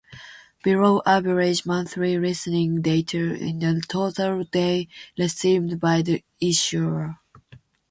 Below, average monthly listening data in the total day received by the issuer.